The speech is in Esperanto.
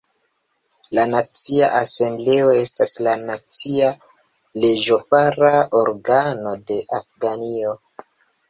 La Nacia Asembleo estas la nacia leĝofara organo de Afganio.